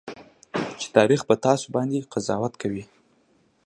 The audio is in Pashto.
چې تاريخ به تاسو باندې قضاوت کوي.